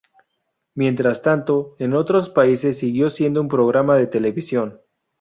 Mientras tanto, en otros países siguió siendo un programa de televisión.